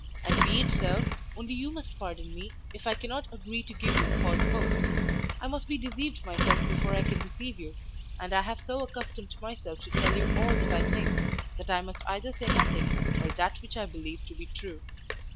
And be it so, only you must pardon me if I cannot agree to give you false hopes; I must be deceived myself before I can deceive you, and I have so accustomed myself to tell you all that I think, that I must either say nothing, or that which I believe to be true.